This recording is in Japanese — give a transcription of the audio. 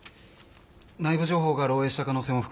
内部情報が漏えいした可能性も含めて